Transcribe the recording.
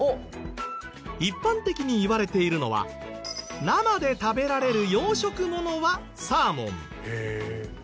一般的にいわれているのは生で食べられる養殖物はサーモン。